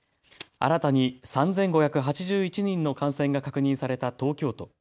新たに３５８１人の感染が確認された東京都。